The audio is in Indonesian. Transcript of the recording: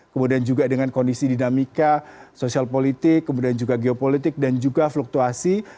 kemudian juga dengan kondisi dinamika sosial politik kemudian juga geopolitik dan juga fluktuasi